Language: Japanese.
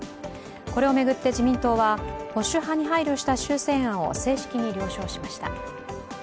これを巡って自民党は、保守派に配慮した修正案を正式に了承しました。